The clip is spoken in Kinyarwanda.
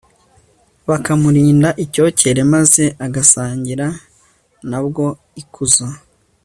bukamurinda icyocyere maze agasangira na bwo ikuzo